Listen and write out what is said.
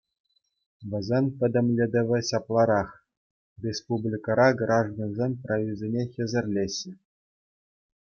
Вӗсен пӗтӗмлетӗвӗ ҫапларах: республикӑра граждансен прависене хӗсӗрлеҫҫӗ.